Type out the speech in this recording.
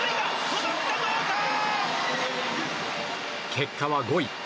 結果は５位。